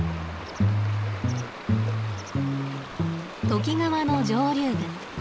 都幾川の上流部。